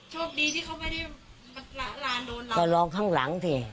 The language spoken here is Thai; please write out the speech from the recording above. โชคดีที่เขาไม่ได้มันร้านโดนเราแต่ลองข้างหลังสิ